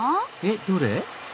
えっどれ？